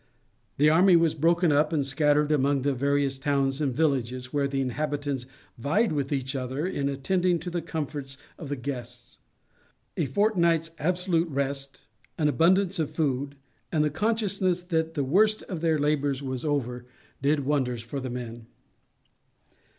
The army was broken up and scattered among the various towns and villages, where the inhabitants vied with each other in attending to the comforts of the guests. A fortnight's absolute rest, an abundance of food, and the consciousness that the worst of their labours was over, did wonders for the men.